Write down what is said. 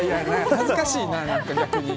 恥ずかしいな、逆に。